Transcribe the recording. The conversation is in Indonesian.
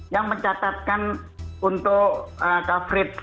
yang mencatatkan untuk coverage